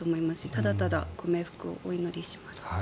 ただただご冥福をお祈りします。